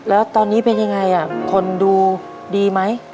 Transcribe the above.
แล้วตอนนี้เป็นยังไงคนดูดีไหม